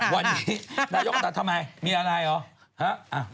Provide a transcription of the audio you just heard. วันนี้นายกก็ตัดทำไมมีอะไรเหรอ